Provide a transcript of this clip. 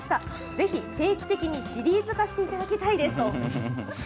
ぜひ、定期的にシリーズ化していただきたいです」と。